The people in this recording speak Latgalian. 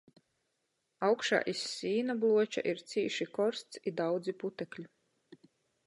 Augšā iz sīna bluoča ir cīši korsts i daudzi putekļu.